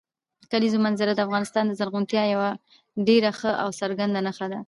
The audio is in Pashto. د کلیزو منظره د افغانستان د زرغونتیا یوه ډېره ښه او څرګنده نښه ده.